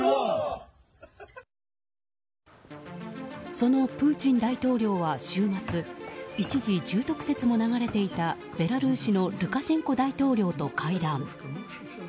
そのプーチン大統領は週末一時、重篤説も流れていたベラルーシのルカシェンコ大統領と会談。